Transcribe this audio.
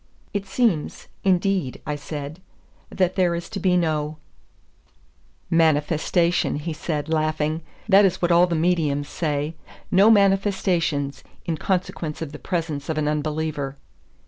"It seems, indeed," I said, "that there is to be no " "Manifestation," he said, laughing; "that is what all the mediums say. No manifestations, in consequence of the presence of an unbeliever."